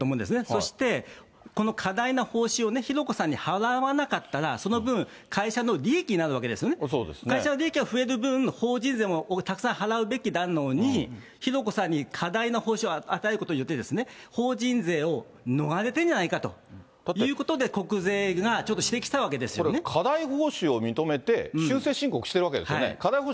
そして、この過大な報酬を浩子さんに払わなかったら、その分、会社の利益になるわけですよね、会社の利益が増える分、法人税もたくさん払うべきなのに、浩子さんに過大な報酬を与えることによって、法人税を逃れているんじゃないかということで、国税がこれ、過大報酬を認めて、修正申告しているわけですよね。